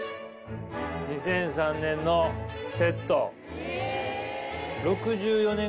２００３年のセット。